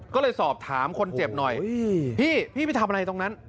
ก็เลยสอบถามคนเจ็บหน่อยพี่พี่ไปทำอะไรตรงนั้น